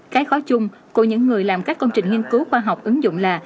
cái khó chung của những người làm các công trình nghiên cứu khoa học ứng dụng là